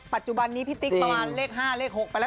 ปัจจุบันนี้พี่ติ๊กประมาณเลข๕เลข๖ไปแล้ว